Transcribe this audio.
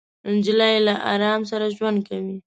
نجلۍ له ارام سره ژوند کوي.